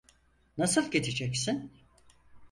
Nasıl gideceksin?